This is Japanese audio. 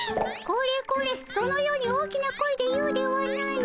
これこれそのように大きな声で言うではない。